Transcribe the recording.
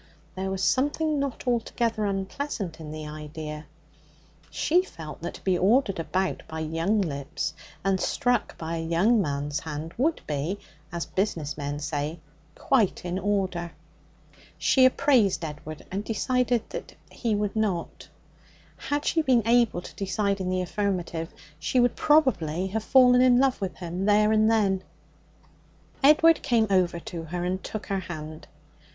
There was something not altogether unpleasant in the idea. She felt that to be ordered about by young lips and struck by a young man's hand would be, as business men say, 'quite in order.' She appraised Edward, and decided that he would not. Had she been able to decide in the affirmative, she would probably have fallen in love with him there and then. Edward came over to her and took her hand.